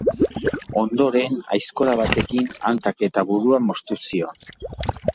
Ondoren aizkora batekin hankak eta burua moztu zion.